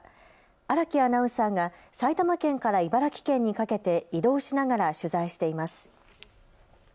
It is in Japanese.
荒木アナウンサーが埼玉県から茨城県にかけて移動しながら取材しています。